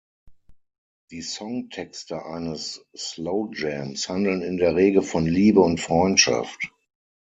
Die Song-Texte eines Slow Jams handeln in der Regel von Liebe und Freundschaft.